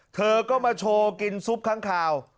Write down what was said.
เธอก็มาโชว์กินซุปค้างคาว